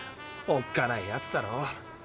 おっかないやつだろ。